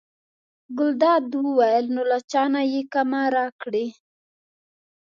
ګلداد وویل: نو له چا نه یې کمه راکړې.